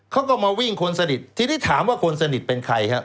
เขาก็มาวิ่งคนสนิททีนี้ถามว่าคนสนิทเป็นใครฮะ